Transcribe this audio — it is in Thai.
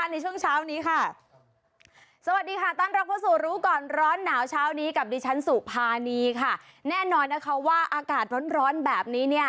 ได้เดี๋ยวจัดให้พิเศษเลย